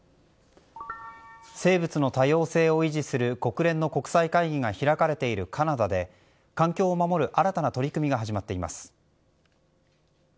生物の多様性を維持する国連の国際会議が開かれているカナダで環境を守る新たな取り組みが始まっています。